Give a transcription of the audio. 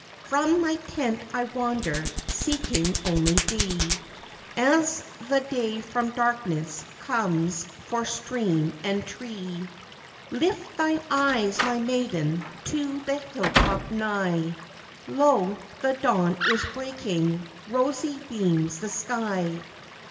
"From my tent I wander seeking only thee, As the day from darkness comes for stream and tree. Lift thine eyes, my maiden, to the hill top nigh; Lo! the dawn is breaking, rosy beams the sky.